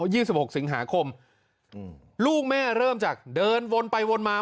สิบหกสิงหาคมอืมลูกแม่เริ่มจากเดินวนไปวนมา